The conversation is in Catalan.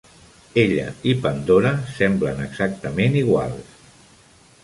Ella i Pandora semblen exactament iguals.